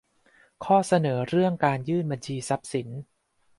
ข้อเสนอเรื่องการยื่นบัญชีทรัพย์สิน